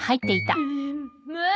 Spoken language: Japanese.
もう！